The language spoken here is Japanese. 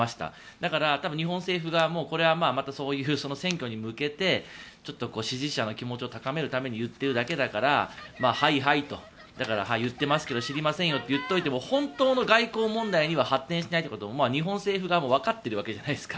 だから、日本政府側もこれはまたそういう選挙に向けて支持者の気持ちを高めるために言っているだけだからはいはいと言ってますけど知りませんよと言っていても本当の外交問題には発展しないということを日本政府側もわかっているわけじゃないですか。